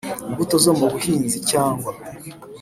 imbuto zo mu buhinzi cyangwa